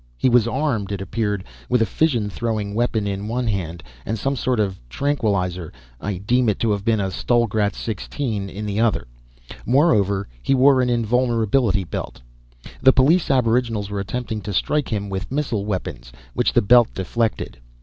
He was armed, it appeared, with a fission throwing weapon in one hand and some sort of tranquilizer I deem it to have been a Stollgratz 16 in the other; moreover, he wore an invulnerability belt. The police aboriginals were attempting to strike him with missile weapons, which the belt deflected.